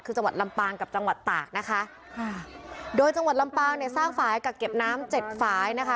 คือจังหวัดลำปางกับจังหวัดตากนะคะค่ะโดยจังหวัดลำปางเนี่ยสร้างฝ่ายกักเก็บน้ำเจ็ดฝ่ายนะคะ